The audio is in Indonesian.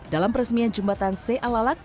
dalam peresmian jembatan se alalak